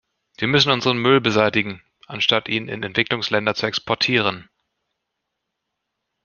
Wir müssen unseren Müll beseitigen, anstatt ihn in Entwicklungsländer zu exportieren.